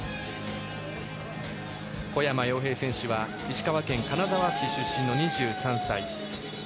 小山陽平選手は石川県金沢市出身の２３歳。